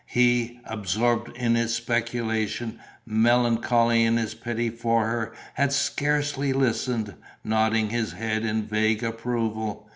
He, absorbed in his speculations, melancholy in his pity for her, had scarcely listened, nodding his head in vague approval.